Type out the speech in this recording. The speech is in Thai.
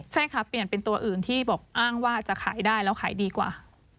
ใช่ค่ะเปลี่ยนเป็นตัวอื่นที่บอกอ้างว่าจะขายได้แล้วขายดีกว่า